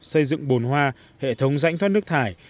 xây dựng bồn hoa hệ thống rãnh thoát nước thải